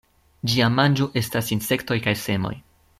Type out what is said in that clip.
Ĝia manĝo estas insektoj kaj semoj.